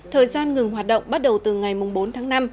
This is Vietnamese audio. thời gian ngừng hoạt động bắt đầu từ ngày bốn tháng năm